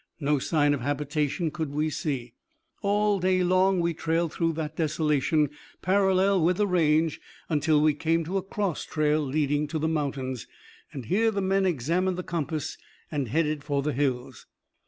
No sign of habitation could we see. All day long we trailed through that desolation parallel with the range until we came to a cross trail leading to the mountains. Here the men examined the compass, and headed for the hills.